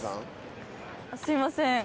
すいません